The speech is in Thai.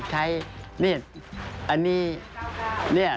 คันนี้